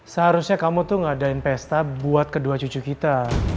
seharusnya kamu tuh ngadain pesta buat kedua cucu kita